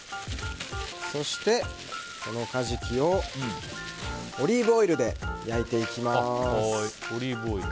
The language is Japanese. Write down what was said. そして、このカジキをオリーブオイルで焼いていきます。